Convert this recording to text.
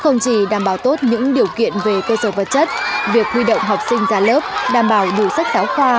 không chỉ đảm bảo tốt những điều kiện về cơ sở vật chất việc huy động học sinh ra lớp đảm bảo đủ sách giáo khoa